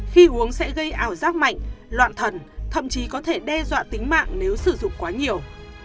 khi uống sẽ gây ảo giác mạnh loạn thần thậm chí có thể đe dọa tính mạng nếu sử dụng quá nhiều